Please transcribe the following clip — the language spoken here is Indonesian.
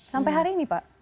sampai hari ini pak